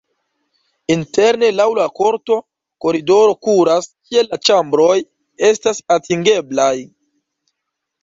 Interne laŭ la korto koridoro kuras, kie la ĉambroj estas atingeblaj.